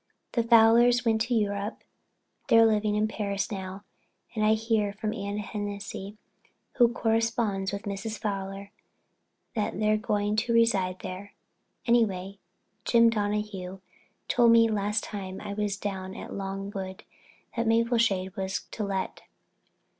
The Fowlers went to Europe. They're living in Paris now and I hear from Anne Hennessey, who corresponds with Mrs. Fowler, that they're going to reside there. Anyway, Jim Donahue told me last time I was down at Longwood that Mapleshade was to let.